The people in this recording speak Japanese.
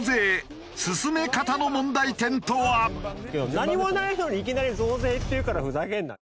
何もないのにいきなり増税って言うからふざけんな。